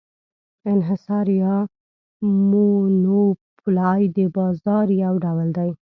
انحصار یا monopoly د بازار یو ډول دی.